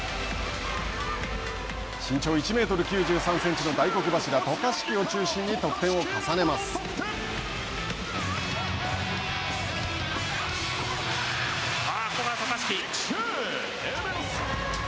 身長１メートル９３センチの大黒柱渡嘉敷を中心にここは渡嘉敷。